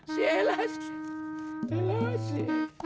si elah si elah si